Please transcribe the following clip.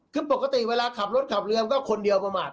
คือปกติเวลาขับรถขับเรือมันก็คนเดียวประมาท